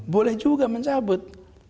boleh juga mencabut